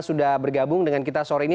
sudah bergabung dengan kita sore ini